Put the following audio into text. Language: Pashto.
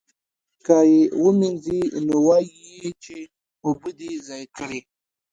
که یې ومینځي نو وایي یې چې اوبه دې ضایع کړې.